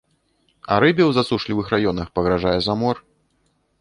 А рыбе ў засушлівых раёнах пагражае замор.